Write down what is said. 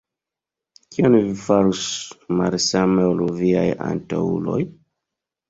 Kion vi farus malsame ol viaj antaŭuloj?